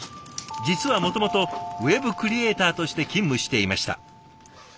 実はもともとウェブクリエーターとして勤務していました。